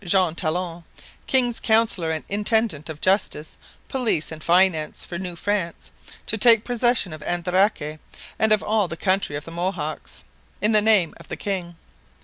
Jean Talon, king's counsellor and intendant of justice, police, and finance for New France, to take possession of Andaraque, and of all the country of the Mohawks, in the name of the king.